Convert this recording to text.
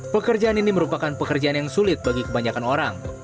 pekerjaan ini merupakan pekerjaan yang sulit bagi kebanyakan orang